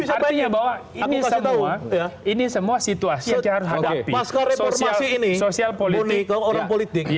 artinya bahwa ini semua situasi yang harus hadap